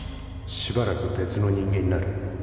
しばらく別の人間になる